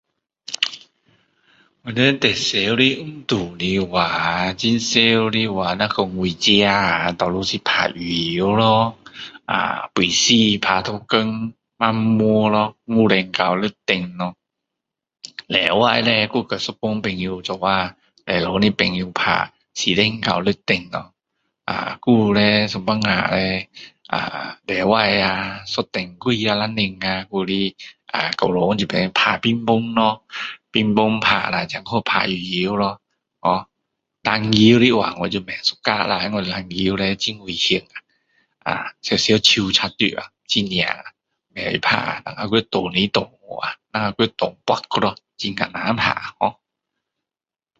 我们最常的运动的话很常运动那若是说我自己啊多数是打羽球咯啊拜四打一天晚上咯五点到六点咯礼拜叻又叫一班的朋友一起礼堂的朋友打四点到六点啊还有叻有时候叻啊礼拜啊一点多啊两点啊还有啊教堂这边打乒乓咯啊乒乓打了才去打羽球咯啊ho篮球的话我就不喜欢啦因为篮球叻很危险啊常常手插到啊很痛啊打还要撞来撞去啊等下撞跌倒去lo很难打啊ho